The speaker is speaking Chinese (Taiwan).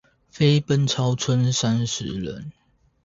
飛奔超車三十人